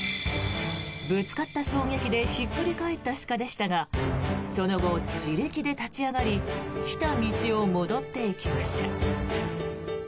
ぶつかった衝撃でひっくり返った鹿でしたがその後、自力で立ち上がり来た道を戻っていきました。